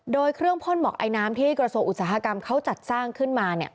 โดยเครื่องพ่นหมอกไอน้ำที่กระทรวงอุตสาหกรรมเขาจัดสร้างขึ้นมา